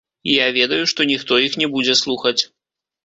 І я ведаю, што ніхто іх не будзе слухаць.